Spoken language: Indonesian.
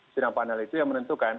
sidang panel itu yang menentukan